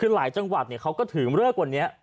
หลายจังหวัดเขาก็ถือเมื่อวันนี้